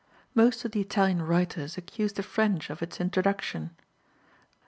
Most of the Italian writers accuse the French of its introduction.